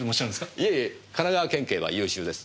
いえいえ神奈川県警は優秀です。